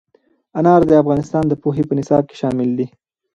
انار د افغانستان د پوهنې په نصاب کې شامل دي.